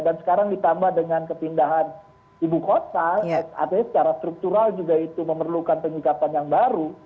dan sekarang ditambah dengan kepindahan ibu kota artinya secara struktural juga itu memerlukan pengikapan yang baru